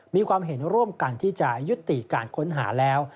มีความเห็นร่วมกันที่จะยุติการค้นหาแล้ว